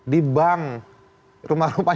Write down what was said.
di bank rumah rumah